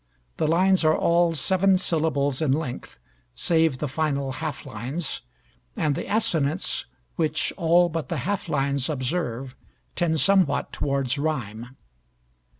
The lines are all seven syllables in length, save the final half lines, and the assonance, which all but the half lines observe, tends somewhat towards rhyme.